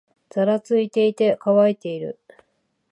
ざらついていて、乾いている